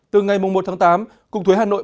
từ ngày một tháng tám cục thuế hà nội